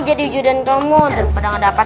jadi ajudan kamu daripada nggak dapat